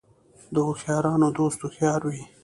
د هوښیارانو دوست هوښیار وي .